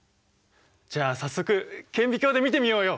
じゃあ早速顕微鏡で見てみようよ！